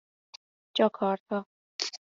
جاکارتا